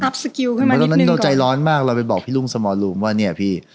อัพสกิลขึ้นมานิดหนึ่งก่อนตอนนั้นเราใจร้อนมากเราไปบอกพี่ลุ้งสมาร์ทลูมว่าเนี้ยพี่